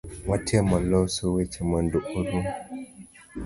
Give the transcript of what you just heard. Watemo loso weche mondo orum